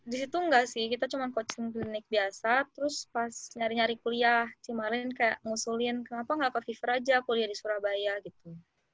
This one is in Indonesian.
di situ nggak sih kita cuma coaching klinik biasa terus pas nyari nyari kuliah cimarin kayak ngusulin kenapa nggak ke viver aja kuliah di surabaya gitu